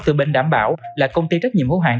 từ bên đảm bảo là công ty trách nhiệm hữu hạng